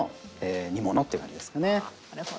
なるほど。